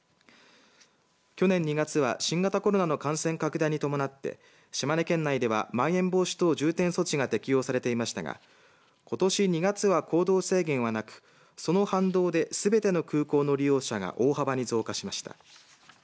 去年２月は新型コロナの感染拡大に伴って島根県内ではまん延防止等重点措置が適用されていましたがことし２月は行動制限はなくその反動ですべての空港の利用者が大幅に増加しました。